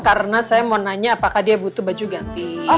karena saya mau nanya apakah dia butuh baju ganti